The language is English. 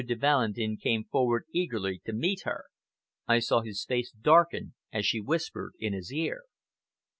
de Valentin came forward eagerly to meet her. I saw his face darken as she whispered in his ear.